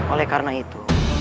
oleh karena itu